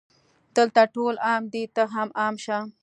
دلته ټول عام دي ته هم عام شه